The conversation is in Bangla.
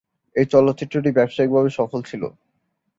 এই চলচ্চিত্রটি ব্যবসায়িকভাবে সফল ছিল।